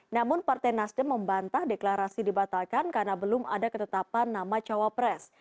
namun partai nasdem membantah deklarasi dibatalkan karena belum ada ketetapan nama cawapres